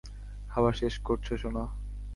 খাবার শেষ করছো, সোনা?